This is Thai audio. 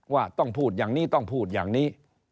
ว่าต้องพูดอย่างนี้ต้องพูดอย่างนี้